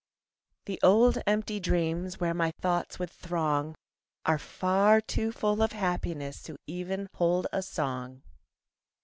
The old empty dreams Where my thoughts would throng Are far too full of happiness To even hold a song.